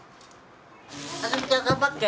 一美ちゃん頑張って。